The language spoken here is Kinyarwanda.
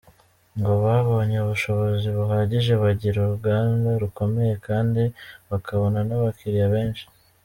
Ngo babonye ubushobozi buhagije bagira uruganda rukomeye kandi bakabona n’abakiriya benshi.